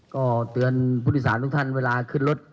ก็เตือนพุทธศาสตร์ทุกท่านเวลาขึ้นรถ